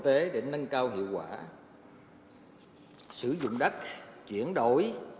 tế để nâng cao hiệu quả sử dụng đất chuyển đổi